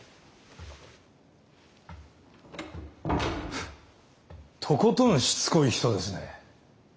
フッとことんしつこい人ですね。